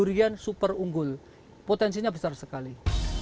durian super unggul potensinya besar sekali